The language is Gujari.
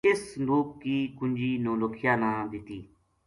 اس صندوق کی کنجی نو لکھیا نا دیتی